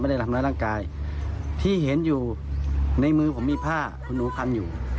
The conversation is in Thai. ได้ทำร้ายร่างกายที่เห็นอยู่ในมือผมมีผ้าคุณหนูพันอยู่